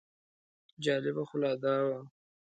جالبه خو لا دا وه.